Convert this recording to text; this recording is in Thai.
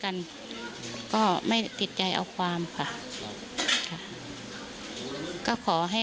พุ่งเข้ามาแล้วกับแม่แค่สองคน